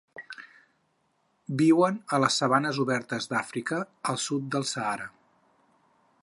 Viuen a les sabanes obertes d'Àfrica, al sud del Sàhara.